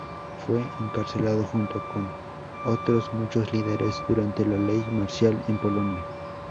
Fue encarcelado junto con otros muchos líderes durante la ley marcial en Polonia.